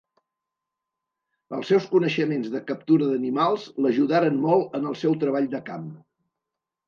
Els seus coneixements de captura d'animals l'ajudaren molt en el seu treball de camp.